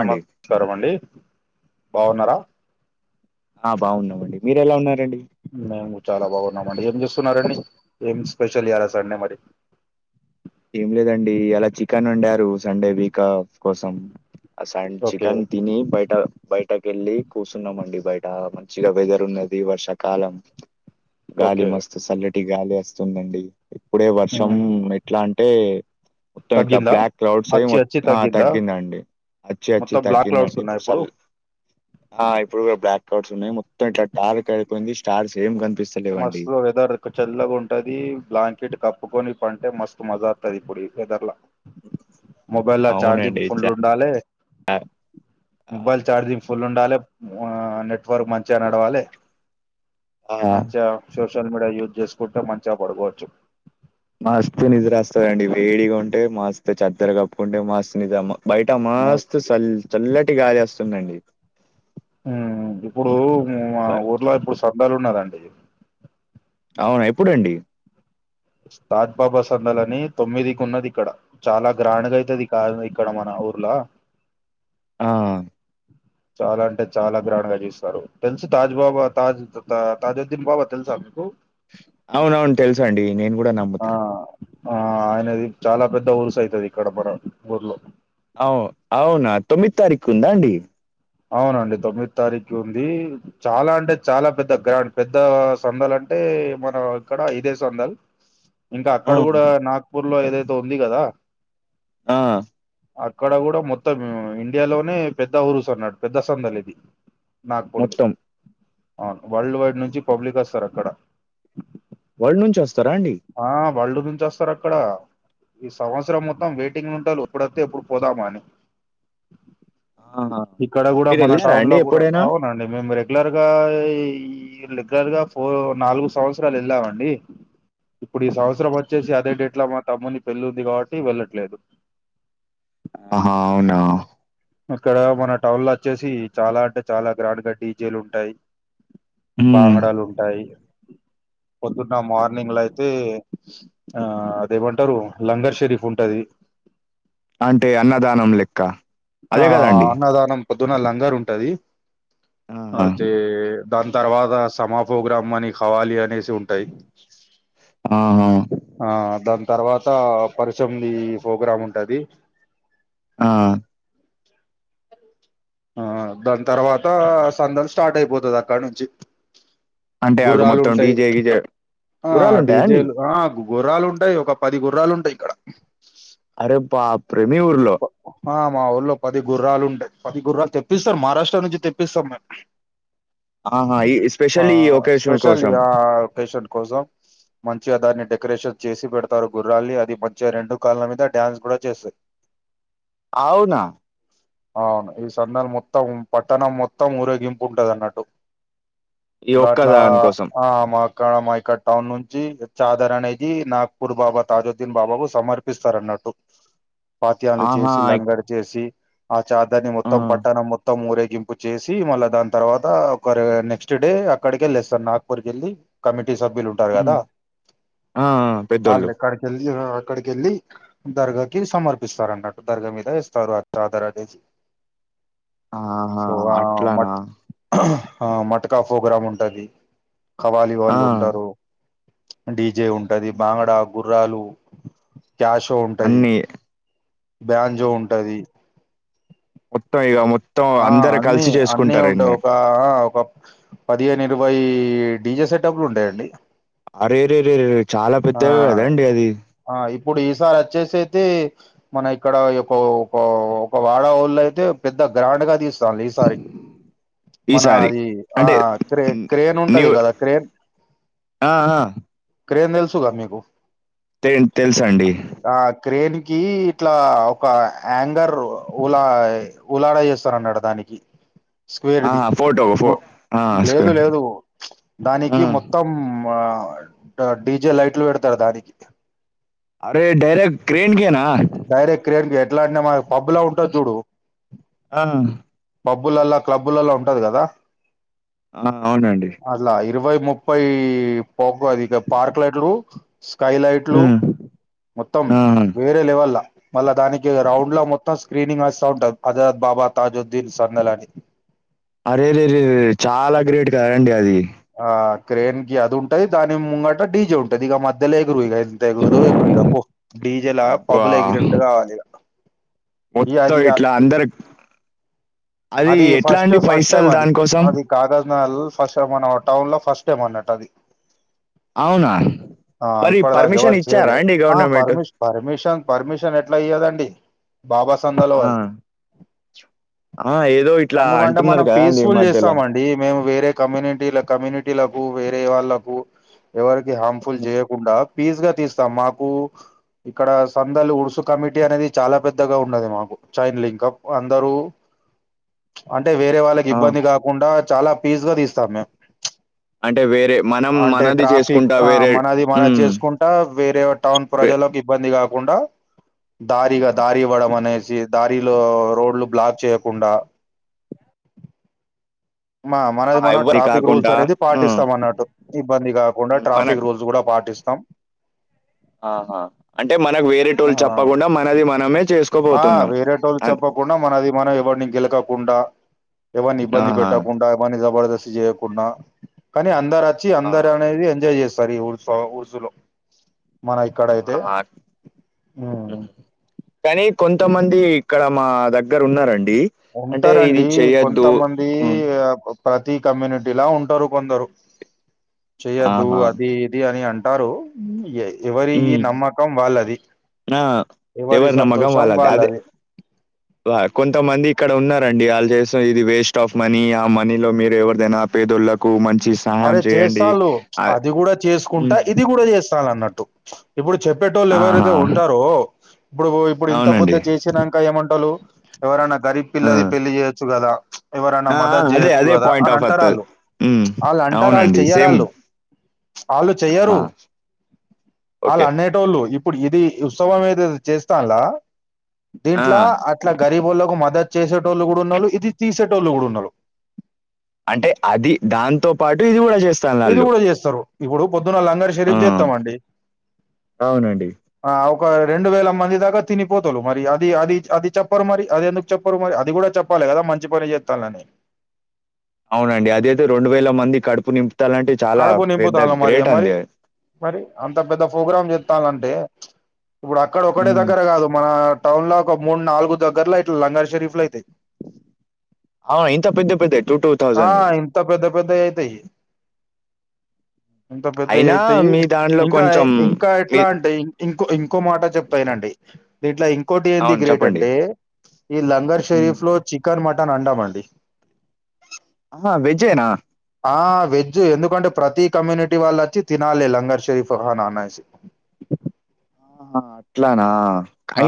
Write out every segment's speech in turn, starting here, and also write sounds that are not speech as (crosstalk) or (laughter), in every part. అండి నమస్కారం అండి బాగున్నారా ఆ బాగున్నామండి మీరు ఎలా ఉన్నారండి మేము చాలా బాగున్నామండి ఏం చూస్తున్నారండి ఏం స్పెషల్ ఇయ్యాలా సండే మరి ఏం లేదండి ఇయాల చికెన్ వండారు సండే వీకాప్ కోసం అసైన్ ఓకే చికెన్ తిని బయట బయటకెళ్ళి కూర్చున్నామండి బయట మంచిగా వెదర్ ఉన్నది వర్షాకాలం గాలి ఓకే మస్తు సల్లటి గాలి వస్తుందండి ఇప్పుడే వర్షం ఉమ్, ఎట్లా అంటే మొత్తం ఇట్లా తగ్గిందా బ్లాక్ క్లౌడ్స్ అయి అచ్చి అచ్చి ఆ తగ్గిందా తగ్గిందండి అచ్చి అచ్చి మొత్తం బ్లాక్ క్లౌడ్స్ తగ్గిందండి ఉన్నాయి ఇప్పుడు సర్ ఆ ఇప్పుడు కూడా బ్లాక్ క్లౌడ్స్ ఉన్నాయి మొత్తం ఇట్లా డార్క్ అయిపోయింది స్టార్స్ ఏం కనిపిస్త మస్తు వెదర్ చల్లగా ఉంటది బ్లాంకెట్ కప్పుకొని పంటే మస్తు మజా అత్తది ఇప్పుడు వెదర్లా మొబైలో చార్జింగ్ అవునండి ఫుల్ చ ఉండాలె ఆ మొబైల్ చార్జింగ్ ఫుల్ ఉండాలే నెట్వర్క్ మంచిగా నడవాలే ఆ! మంచిగా సోషల్ మీడియా యూజ్ చేసుకుంటే మంచిగా పడుకోవచ్చు మస్తు నిద్ర వస్తదండి వేడిగా ఉంటే మస్త్ చద్దరు కప్పుకుంటే మస్తు నిద్ర బయట మస్తు చల్ చల్లటి గాలి వస్తుందండి ఇప్పుడు మా బ ఊర్లో ఇప్పుడు సందాలు ఉన్నరండి అవునా ఎప్పుడండి తాజ్ బాబా సందలని తొమ్మిదికి ఉన్నది ఇక్కడ చాలా గ్రాండ్గా అయితది కాదు ఇక్కడ మన ఊర్ల ఆ చాలా అంటే చాలా గ్రాండ్గా చూస్తారు తెలుసు తాజ్ బాబా తాజ్ తాజాద్దీన్ బాబా తెలుసా మీకు అవునవును తెల్సండి నేను కూడా ఆ నమ్ముతా ఆ ఆయనది చాలా పెద్ద ఊరుసు అయితది ఇక్కడ మన ఊర్లో అవు అవునా తొమ్మిది తారీక్ ఉందాండి అవునండి తొమ్మిది తారీఖు ఉంది చాలా అంటే చాలా పెద్ద గ్రాండ్ పెద్ద సందాలంటే మన ఇక్కడ ఇదే సందాలు ఇంకా ఆ అక్కడ కూడా నాగపూర్లో ఏదైతే ఉంది కదా ఆ అక్కడ కూడా మొత్తం ఇండియాలోనే పెద్ద ఊరుస్ అన్నాడు పెద్ద సందలి ఇది నాగపూర్ మొత్తం అవును వరల్డ్ వైడ్ నుంచి పబ్లిక్ వస్తారు అక్కడ వరల్డ్ నుంచి వస్తారాండి ఆ వరల్డ్ నుంచి వస్తారు అక్కడ సంవత్సరం మొత్తం వెయిటింగ్ ఉంటరు ఏప్పుడోత్తే ఏప్పుడు పోదామని ఆహా ఇక్కడ కూడా మీరు మన ఎళ్ళారా అండి టౌన్లో కూడా ఎప్పుడైనా? అవును అంటే మేము రెగ్యులర్గా రెగ్యులర్గా ఫో నాలుగు సంవత్సరాలు వెళ్ళామండి ఇప్పుడు ఈ సంవత్సరం వచ్చేసి అదే డేట్లో మా తమ్ముని పెళ్ళి ఉంది కాబట్టి వెళ్ళట్లేదు ఆహా అవునా ఇక్కడ మన టౌన్ లో వచ్చేసి చాలా అంటే చాలా గ్రాండ్ గా డీజేలు ఉంటాయి హ్మ్ బాంగడాలు ఉంటాయి పొద్దున్న మార్నింగ్ లో అయితే ఆ అదేమంటారు లంగర్ షెరీఫ్ ఉంటది అంటే అన్నదానం లెక్క ఆ అదే కదండి. అన్నదానం పొద్దున లంగారు ఉంటది ఆహా అతే దాని తర్వాత సమా ప్రోగ్రామ్ అని ఖవాలీ అనేసి ఉంటాయి ఆ ఆ దాని తర్వాత పరిశమ్ది ప్రోగ్రామ్ ఉంటది ఆ ఆ దాని తర్వాత సందం స్టార్ట్ అయిపోతది అక్కడ నుంచి అంటే ఆకు గుర్రాలు మొత్తం ఉంటాయి డీజే గీజే ఆ గుర్రాలు ఉంటాయా అండి డీజేలు ఆగు గుర్రాలు ఉంటాయి ఒక పది గుర్రాలు ఉంటాయి ఇక్కడ అరే బాప్రే మీ ఊర్లో ఆ మా ఊళ్లో పది గుర్రాలు ఉంటాయి పది గుర్రాలు తెప్పిస్తాం మహారాష్ట్ర నుంచి తెప్పిస్తాం మేము ఆహా ఈ ఆ స్పెషల్ ఈ ఒకేషన్ స్పెషల్ది కోసం ఆ ఒకేషన్ కోసం మంచిగా దాన్ని డెకొరేషన్ చేసి పెడతారు గుర్రాలని అది మంచిగా రెండు కాల మీద డ్యాన్స్ కూడా చేస్తది అవునా అవును ఈ సందలు మొత్తం పట్టణం మొత్తం ఊరేగింపు ఉంటది అన్నట్టు ఈ ఒక్క దాట్లా దాని కోసం ఆ మ కా మైకాడ్ టౌన్ నుంచి చాదర్ అనేది నాగ్పూర్ బాబా తాజుద్దీన్ బాబాకు సమర్పిస్తారు అన్నట్టు పాత్యాలు ఆహా చేసి ఇ- లంగడి చేసి ఆ చాదాన్ని ఆ, మొత్తం పట్టణం మొత్తం ఊరేగింపు చేసి మళ్ళా దాని తర్వాత ఒక నెక్స్ట్ డే అక్కడికి వెళ్ళేస్తర్ నాగపూర్ కెళ్ళి కమిటీ సభ్యులు ఉంటది కదా ఉమ్, ఆ, ఆ, హల్ పెద్దోళ్ళు లెక్కడి వెళ్ళి ఆ అక్కడికి వెళ్ళి దర్గాకి సమర్ ఇస్తారన్నట్టు దర్గ మీద ఇస్తారు ఆ చాదరు అనేసి ఆహా సో ఆ అట్లనా మట్ ఆ మటకా ప్రోగ్రామ్ ఉంటది కవాలీ ఆ, వాళ్ళు ఉంటారు డీజే ఉంటది ఉహు. బాగడ గుర్రాలు క్యాషో ఉంటది అన్ని బ్యాంజో ఆహా. ఉంటది మొత్తం ఇగ మొత్తం అందరు అన్ని కలిసి అన్నీ ఉంటాయి చేసుకుంటారన్ని ఒక ఆ ఒక పదిహేను ఇరవై డీజె సెటబ్లు ఉండేయండి అరే రే రే రే చాలా పెద్దవి కదండి అది ఆ ఇప్పుడు ఈసారి అచ్చేసయితే మన ఇక్కడ ఒక ఒక వాడ వాళ్ళు అయితే పెద్ద గ్రాండ్ గా తీస్ తా ఈసారి మన ఈసారి అది ఆ అంటే క్రే క్రేన్ న్యూ ఉంటది కదా క్రేన్ ఆ ఆ క్రేన్ తెలుసు కదా మీకు క్రేన్ తెలుసండి ఆ క్రేన్ కి ఇట్లా ఒక హంగర్ ఉలా ఉలాడ చేస్తాడు అన్నాడు దానికి ఆ! స్పేర్ది ఫోటో ఫో మో ఆ, గేర్లు స్క్వే- లేదు ఆ దానికి మొ తమ్మ డీజే లైట్లు పెడతారు దానికి అరే డైరెక్ట్ క్రేన్కేనా? డైరెక్ట్ క్రేన్ కే ఎట్ల అంటే మనకు పబ్ లో ఉంటది చూడు పబ్బులల్లా క్లబ్బులల్లా ఉంటది కదా ఆ అవునండి అట్ల ఇరవై, ముప్పై పోకు అది పార్క్ లోట్లు స్కైలైట్లు, హ్మ్ మొత్తం ఆ వేరే లెవెల్ మళ్ళా దానికి రౌండ్ ల మొత్తం స్క్రీనింగ్ వస్తా ఉంటది, అజాద్ బాబా తాజుద్దీన్ సందల్ అని. అరేరేరే చాలా గ్రేట్ కదండి అది. ఆ క్రేన్ కి అది ఉంటది, దాని ముంగట డీ జే ఉంటది, ఇగ మధ్యల ఎగరు ఇగ త ఎగురుతరో ఎగురు ఇగ పో, డీజెలా బా పబ్బల ఎగిరింట రావాలిగ మొత్తం ఇట్ల అందరు, అది ఎట్లా అండి పైసల్ దానికోసం కాగజ్నాల్ ఫస్ట్ మన టౌన్ లో ఫస్ట్ అన్నట్టు అది. అవునా ఆ మరి ఇప్పటిదాక పర్మిషన్ ఎవరు ఇచ్చారా చెయలే, అండి ఆ గవర్నమెంట్ పర్మిషన్ పర్మిషన్ పర్మిషన్ ఎట్ల ఇయ్యదండి? బాబా సందాలవ ఆ ఆ ఏదో ఇట్లా అంటున్నరు కదా అండి మధ్యలో ది మేము వేరే కమ్యూనిటీల, కమ్యూనిటీలకు వేరే వాళ్ళలకు ఎవరికి హార్మ్ఫుల్ హ్మ్. చేయకుండా పీస్ గా తీస్తాం, మాకు ఇక్కడ సందలు ఉడ్సు కమిటీ అనేది చాలా పెద్దగా ఉండది మాకు, చైన్ లింకప్ అందరు అంటే వేరే వాళ్ళకి ఆ ఇబ్బంది కాకుండా చాలా పీస్ గా తీస్తాం మేం అంటే వేరే మనం అంటే మనది ట్రాఫిక్ చేసుకుంటా ఆ వేరే మనది మన హ్మ్ చేసుకుంటా వేరే టౌన్ వే ప్రజల్లోకి ఇబ్బంది కాకుండా దారిగా ఆహా దారి ఇవ్వడం అనేసి దారిలో రోడ్లు బ్లాక్ చేయకుండా (unintelligible) మా మనది ఆ మనం ఎవ్వరి ట్రాఫిక్ రూల్స్ కాకుండా అనేది ఆ హ్మ్. పాటిస్తం అన్నట్టు. ఇబ్బంది కాకుండా మన ట్రాఫిక్ రూల్స్ గుడ పాటిస్తం. ఆహా అంటే మనకు వేరే ఆ టోళ్లు చెప్పకుండా మనది మనమే చేస్ ఆ వేరటోల్ చప్ప కుండా మనది మనం ఎవరిని గెలకకుండా, ఎవరిని ఇబ్బంది ఆహా పెట్టకుండా ఎవరిని జబర్దస్త్ చేయ కుండా కనీ అందరు అచ్చి ఆ అందరు అనేది ఎంజాయ్ చేస్తారు ఈ ఊరుస ఊరుసులో మన ఇక్కడ అయితే ఆహా ఉం కనీ కొంతమంది ఇక్కడ మా దగ్గర ఉన్నరండి ఉంటరండి కొంతమంది ఉమ్ ఆ ప్రతి కమ్యూనిటీలా ఉంటరు కొందరు. చెయొద్దు ఆహా అది ఇది అని అంటారు ఎ ఎవరి ఉమ్ నమ్మకం వాళ్ళది, ఆ ఎవరి సంతోషం వాళ్ళది. (unintelligible) దా కొంతమంది ఇక్కడ ఉన్నరండి ఆళ్ళు చేస్త ఇది వేస్ట్ ఆఫ్ మనీ, ఆ మనీలో మీరు ఎవరిదైనా పేదోళ్ళ కో మంచిస్ అరే జేస్తాల్లు అది గుడా చేసుకుంటా ఉమ్ ఇది గూడ చేస్తాళ్ళు అన్నట్టు. ఇప్పుడు చెప్పేటోళ్లు ఎవరైతే ఆహా ఉంటరో, ఇప్పుడు ఇప్పుడు ఇంత పెద్ద అవునండి చేసినం కా ఏమంటరు ఎవరైన్న గరీబ్ ఆ పిల్లది పెళ్లి చేయొచ్చు కదా, ప్చ్ ఎవరన్నా ఆ! ఆ! మదతు అదే. చేయచ్చు అదే కదా పాయింట్ అని ఆఫ్ అత్తది. అంటరాళ్ళు. హ్మ్. ఆళ్ళు అంటరు ఆళ్ళు అవునండి. చెయ్యరు సేమ్. ఆళ్ళు, ఆళ్ళు చెయ్యరు, ఆహా! ఆళ్ళు ఓకే. అన్ని టోళ్ళు ఇప్పుడు ఇది ఉత్సవం ఏదైతే చేస్తాల్లా ఆ! దీంట్లా అక్ ఇట్ల గరీబోళ్లకు మదతు చేసేటోళ్ళు గుడ ఉన్నరు, ఇది తీసేటోళ్ళు గుడ ఉన్నరు. అంటే అది దాంతో పాటు ఇది కూడా చేస్ ఇది కూడా చేస్తారు ఇప్పుడు పొద్దున్న లంగర్ ఆ! షరీఫ్ చేస్తామండి అవునండి. ఆ ఒక రెండు వేల మంది దాకా తినిపోతరూ మరి అది అది అది చెప్పరు మరి అది ఎందుకు చెప్పరు మరీ అది కూడా చెప్పాలి కదా మంచి పని చేత్తలని అవునండి అదయితే రెండు వేల మంది కడుపు నింపుతాలంటే చాలా కడుపు పెద్ద నింపుతాను మరి గ్రేట్ మరి అండి అది మరి అంత పెద్ద ప్రోగ్రామ్ చెత్తలంటే ఇప్పుడు అక్కడ ఒకటె హ్మ్. దగ్గర కాదు మన టౌన్లా ఒక మూడు నాలుగుదగ్గరల ఇట్లా లంగర్ షరీఫ్లయితై ఆ ఇంత పెద్ద పెద్దదయి టూ టూ ఆ తౌసంది ఇంత పెద్ద పెద్ద అయితయి ఇంత అయినా పెద్దయిఅయితాయి మీ దాంట్లో ఇంకా కొంచెం ఇంకా మీ ఎట్లా అంటే ఇంకో ఇంకో మాట చెప్తా వినండి దీట్లా ఇంకోటి ఏంది అవును. గ్రేట్ చెప్పండి. అంటే ఈ లంగర్ హ్మ్. షరీఫ్ లో చికెన్ మటన్ అండమండి ఆహా వెజ్జేనా ఆ వెజ్ ఎందుకంటే ప్రతి కమ్యూనిటీ వాళ్ళు వచ్చి తినాలి లంగర్ షరీఫ్ ఖానా అనేసి అట్లానా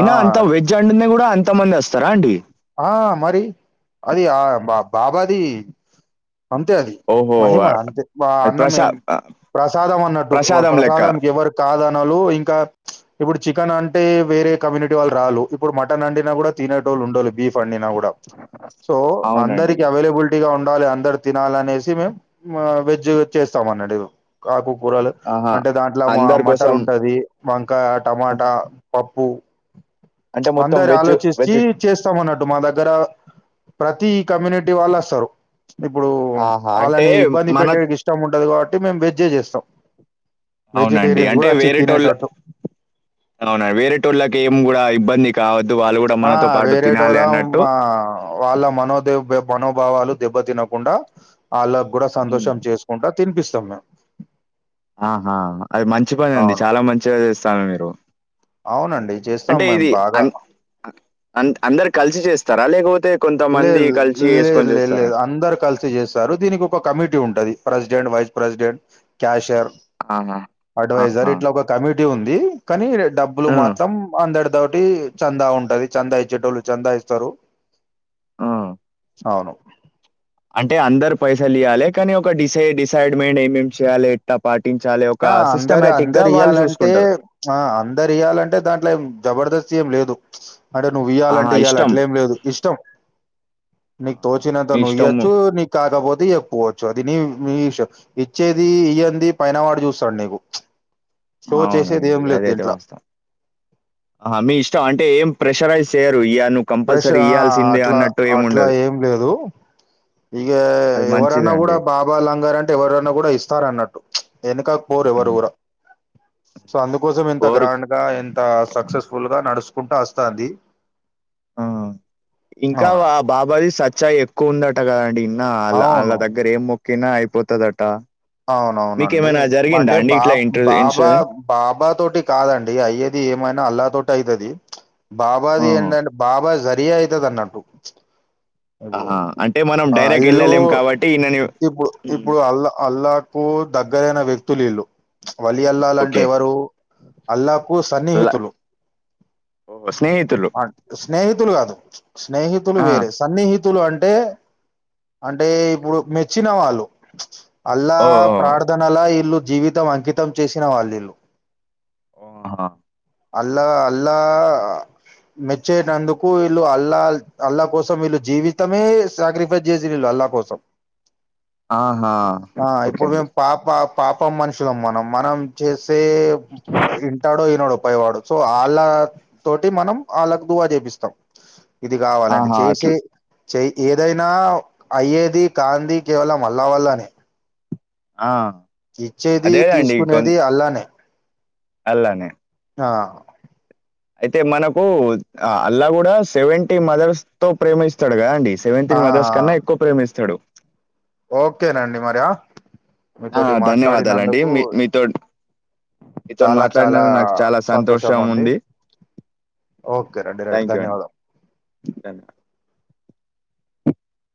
ఆ! అంత వెజ్ అండితే కూడా అంత మంది వస్తారా అండి ఆ మరి అది ఆ మా బాబాది అంతే అది ఓహో! మహిమ అంతే మా అది ప్రసా అన్నంమేం ఆ! ప్రసాదం అన్నట్టు ప్రసాదం లెక్క ప్రసాదాం ఎవరి కాదనాలు ఇంకా ఇప్పుడు చికెన్ అంటే వేరే కమ్యూనిటీ వాళ్రాలు ఇప్పుడు మటన్ అండినా కూడా తినేటోళ్ళు ఉండలు బీఫ్ అండినా కూడా సో అవునండి అందరికి అవైలబుల్ టీగా ఉండాలి అందరు తినాలి అనేసి మేము వెజ్ చేస్తాం అన్నటు కాకుకూరలు ఆహా అంటే దాంట్ల మా అందరి మటర్ కోసం ఉంటది వంకాయ ఆహా. టమాటా పప్పు అంటే మొత్తం అందరి వెజ్ ఆలోచించి వెజ్ స్తా మన్నట్టు మా దగ్గర ప్రతి కమ్యూనిటీ వాళ్ళస్తారు ఇప్పుడు ఆహా అంటే వాళ్ళని ఇబ్బంది మన పెట్టేకి ఇష్టం ఉండదు కాబట్టి మేము వెజ్జే చేస్తాం వెజిటేరియన్స్ కూడా వచ్చి తినేటట్టు అవున వేరేటోళ్ళకి ఏం కూడా ఇబ్బంది కావద్దు వాళ్ళు కూడా ఆ మనతో పాటు తినాలి వేరేటోళ్ళ అన్నట్టు ఆ వాళ్ళ మనోదేవ మనోభావాలు దెబ్బ తినకుండా వాళ్ళ కూడా ఉమ్. సంతోషం చేసు ఉంటా తినిపిస్తాం మేము ఆహా అది మంచి పని అండి అవును చాలా మంచిగా చేస్తాన్లు మీరు అవునండి చేస్తాం అంటే మేము ఇది బాగా అన్ అంద్ అందరు కలిసి చేస్తారా లేకపోతే లే కొంతమంది కలిసి లే వేసుకొని లే చేస్తారా లేదు అందరు కల్ సే చేస్తారు దీనికి ఒక కమిటీ ఉంటది ప్రెసిడెంట్ వైస్ ప్రెసిడెంట్ క్యాషర్ ఆహా అడ్వైజర్ ఆహా ఇట్లా ఒక కమిటీ ఉంది కానీ డబ్బులు ఆ, మాత్రం అందరి తోటి చందా ఉంటది చందా ఇచ్చేటోళ్ళు చందా ఇస్తారు ఆ. అవును అంటే అందరు పైసలు ఇయ్యాలే కానీ ఒక డిసై డిసైడ్మెంట్ ఏమేమి చేయాలి ఎట్ల పాటించాలి ఆ ఒక అందరు సిస్టమేటిక్ గా అందరు వాళ్ళు ఇయ్యాలంటే చూసుకుంటారు ఆ అందరు ఇయ్యాలంటే దాంట్లో ఏం జబర్దస్తి ఏం లేదు ఆడ నువ్వు ఆహా! ఇయ్యాలంటే ఇయ్యాలి ఇష్టం. అట్లేం లేదు ఇష్టం నీకు ఆహా! తోచినంత మీ నువ్వు ఇష్టము. ఈయచ్చు నీక్ కాకపోతే చెప్పువచ్చు అదిని ఇచ్చేది ఇయ్యంది పైన వాట్ చూస్తాడు నీకు షో చేసేది అవునండి ఏం లేదు అదైతే దీంట్లో వాస్తవం ఆ మీ ఇష్టం అంటే ఏం ప్రెషరైజ్ చేయ్యరు ఇయను ప్రెష్ ఆ అట్లా అట్లా ఏం లేదు ఇగా అది ఎవరన్నా కూడా మంచిదండి. బాబా లంగర్ అంటే ఎవరన్నా కూడా ఇస్తారన్నట్టు ఎనక పోరు ఎవరు హ్మ్. ఊర సో అందుకోసం ఇంత కోరు గ్రాండ్ రా ఎంత సక్సెస్ఫుల్ గా నడుస్ కుంట అస్తాంది ఆ ఇంకా అవునా వా బాబాది సచ్చాయక్ క్ ఉందట కదండి ఇన్న ఆళ్ళ ఆళ్ల అవును దగ్గర ఏం మొక్కినా అయిపోతదట అవునవునండి మీకేమైనా జరిగిందా వంటే అండి ఇట్లా బాబ్ ఇంటర్ బాబా ఇన్సిడెంట్? బాబా తోటి కాదండి అయ్యేది ఏమైనా అల్లా తోట్ అయితది బాబాది ఆహా! ఏందంట్ బాబా జరియా అయితదన్నట్టు ఇబు ఆహా! అంటే మనం ఆ డైరెక్ట్ ఈలు ఎళ్ళలేం కాబట్టి ఈయనని ఇప్పుడు హ్మ్. ఇప్పుడు అల్లా అల్లాకు దగ్గరైన వ్యక్తుల్ ఈళ్ళు వల్లి అల్లాలన్ట్ ఓకే. ఎవరు అల్లాకు సన్నిహితులు ఓ ఒ స్నేహితులు అన్ స్నేహితులు కాదు స్నేహితులు ఆ! వేరేస్ సన్నిహితులు అంటే అంటే ఓకే. ఇప్పుడు మెచ్చిన వాళ్ళు అల్లా ఓహ్! ప్రార్థనలా ఇల్లుు జీవితం అంకితం చేసిన వాళ్ళు ఇల్ళు ఓహహ అల్లా అల్లా మెచ్చేటందుకు వీళ్లు అల్లాల్ అల్లా కోసం వీళ్లు జీవితమే స్ సాక్రిఫైస్ జేసిల్ ఇల్ అల్లా కోసం ఆహా, ఆ ఓకే ఇప్పుడు అండి. మేమ్ పా పా పాపం మనుషులం మనం మనం చేసే ఇంటాడో ఇనడో పై వాడు సో ఆళ్ళ తోటి మనం ఆళ్ళకు భువః చేపిస్తాం ఇది కావాలండి ఆహా! చేసే అట్లా చేయ్ ఏదైనా అయ్యేది కాంది కేవలం అల్లా వల్లనే అ ఇచ్చేది తీసుకునేది అల్లానే అల్లానే హా అయితే మనకు అ అల్లా కూడా సెవెంటీ మదర్స్ తో ప్రేమిస్తాడు కదా అండి సెవె్న్ ఆ టీన్ మదర్స్ కన్నా ఎక్కువ ప్రేమిస్తడు ఓకేనండి మర్ ఆ ఆ! మీతోటి ధన్యవాదాలండి. మాట్లాడినందుకు మీ మీతో మీతోని చాలా చాలా మాట్లాడినందుకు నాకు చాలా సంతోషం ఉంది ఓకే రండి రైట్ ధన్యవాదం ధన్య